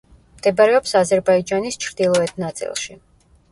მდებარეობს აზერბაიჯანის ჩრდილოეთ ნაწილში.